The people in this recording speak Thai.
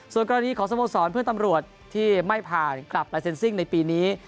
ส่วนกรณีของสโมสรเพื่อนตำรวจที่ไม่ผ่านกลับลายเซ็นซิ่งในปีนี้